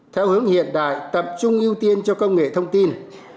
theo hướng hiện đại tập trung ưu tiên cho công nghệ thông tin